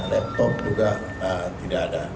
laptop juga tidak ada